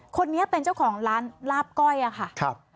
คนนี้เป็นเจ้าของร้านลาบก้อยอะค่ะ